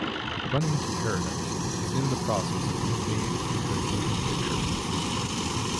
"Running to Paradise" is in the process of being made into a motion picture.